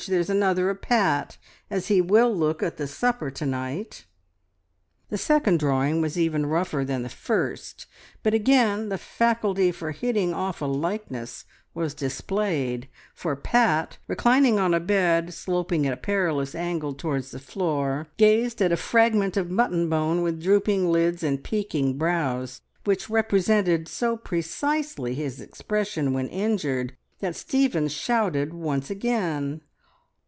There's another of Pat, as he will look at the supper to night." The second drawing was even rougher than the first, but again the faculty for hitting off a likeness was displayed, for Pat, reclining on a bed sloping at a perilous angle towards the floor, gazed at a fragment of mutton bone with drooping lids and peaking brows, which represented so precisely his expression when injured, that Stephen shouted once again.